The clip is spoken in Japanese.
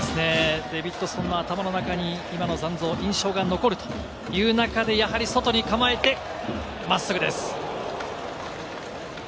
デビッドソンの中に今の残像が残るというか、外に構えて、真っすぐです。